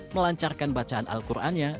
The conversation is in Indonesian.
melancarkan bacaan al qurannya